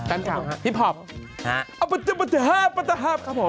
แฟนกล่าวฮิปพอปครับปะจาประจาครับครับผม